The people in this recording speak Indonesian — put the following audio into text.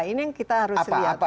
ini yang kita harus lihat